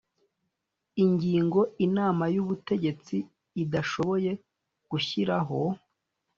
ingingo Inama y Ubutegetsi idashoboye gushyiraho